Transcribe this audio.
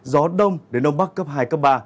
gió đông đến đông bắc cấp hai ba